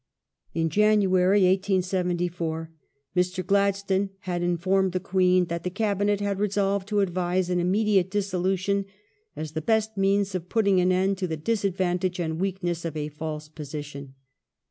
Fall of the In January, 1874, Mr. Gladstone had informed the Queen that Govern ^^^ Cabinet had resolved to advise an immediate dissolution as ment « the best means of putting an end to the disadvantage and weak ness of a false position